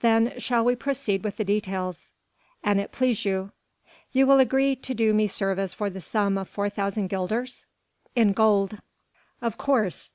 "Then shall we proceed with the details?" "An it please you." "You will agree to do me service for the sum of 4,000 guilders?" "In gold." "Of course.